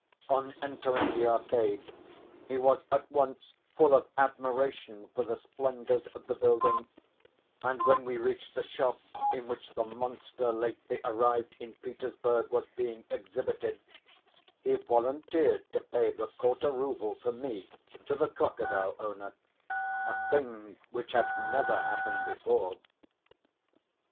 On entering the Arcade he was at once full of admiration for the splendours of the building, and when we reached the shop in which the monster lately arrived in Petersburg was being exhibited, he volunteered to pay the quarter rouble for me to the crocodile owner a thing which had never happened before.